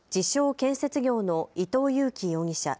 建設業の伊藤裕樹容疑者。